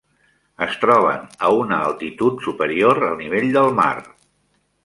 Es troben a una altitud superior al nivell del mar.